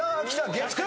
月９。